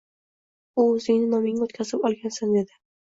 U oʻzingni nomingga oʻtkazib olgansan dedi.